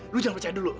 lo jangan percaya dulu